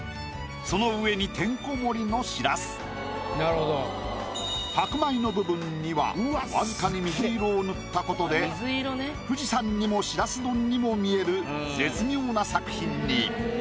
その上にてんこ盛りのしらす。を塗ったことで富士山にもしらす丼にも見える絶妙な作品に。